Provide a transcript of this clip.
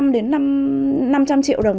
năm trăm linh đến năm trăm linh triệu đồng